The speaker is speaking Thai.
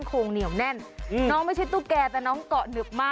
โชว์คริงยืนสองขา